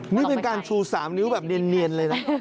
นี่เป็นการชู๓นิ้วแบบเนียนเลยนะ